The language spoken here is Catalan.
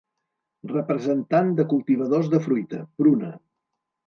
>>Representant de cultivadors de fruita: Pruna.